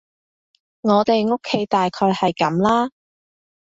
我哋屋企大概係噉啦